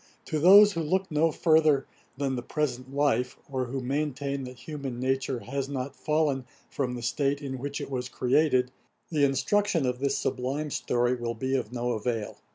To those who look no further than the present life, or who maintain that human nature has not fallen from the state in which it was created, the instruction of this sublime story will be of no avail.